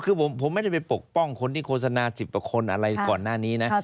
คือผมไม่ได้ไปปกป้องคนที่โฆษณา๑๐กว่าคนอะไรก่อนหน้านี้นะ